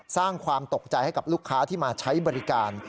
สร้างความตกใจให้กับลูกค้าที่มาใช้บริการ